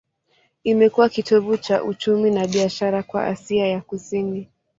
Imekuwa kitovu cha uchumi na biashara kwa Asia ya Kusini.